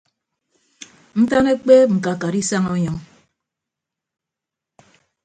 Ntan ekpeep ñkakat isañ ọnyọñ.